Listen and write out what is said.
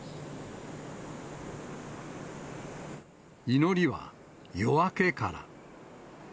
祈りは夜明けから。